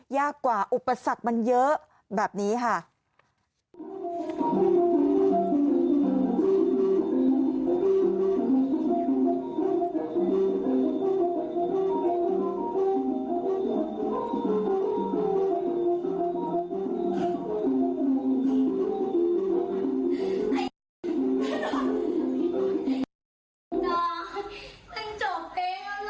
ยากกว่าอุปสรรคมันเยอะแบบนี้ค่ะ